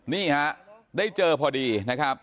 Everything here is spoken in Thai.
นี่ฮะได้เจอพอดีนะครับ